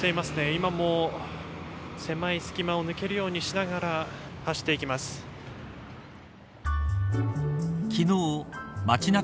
今も、狭い隙間を抜けるようにしながら走っていきます。